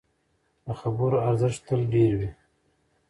د خبرو ارزښت تل ډېر وي